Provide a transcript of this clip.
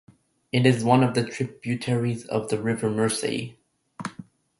It is one of the tributaries of the River Mersey.